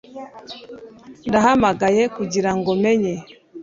Ndahamagaye kugirango menye…